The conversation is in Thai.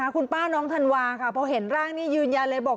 คุณป้าน้องธันวาค่ะพอเห็นร่างนี่ยืนยันเลยบอก